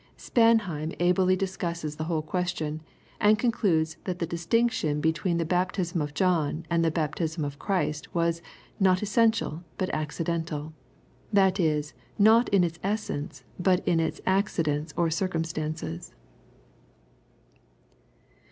Spanheim ably dis cusses the whole question, and concludes that the distinction be tween the baptism of John and the baptism of Christ was " not essential but accidental," that is, not in its essence but in its acci dents or circumstances.